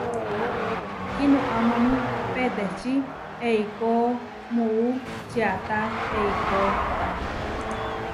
Kinoamámu petečí eikó muú čiata eikó.